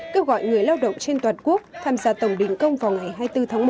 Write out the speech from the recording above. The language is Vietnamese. kêu gọi người lao động trên toàn quốc tham gia tổng đình công vào ngày hai mươi bốn tháng một